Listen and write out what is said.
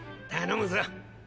頼むぞ。